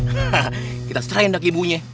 hah kita serahin bakimunya